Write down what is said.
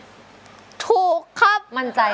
เบิ้งคงยังผ่านไป